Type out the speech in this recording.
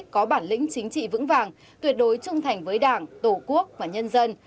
có bản lĩnh chính trị vững vàng tuyệt đối trung thành với đảng tổ quốc và nhân dân